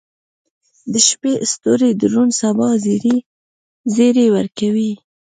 • د شپې ستوري د روڼ سبا زیری ورکوي.